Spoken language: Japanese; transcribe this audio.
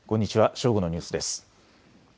正午のニュースです。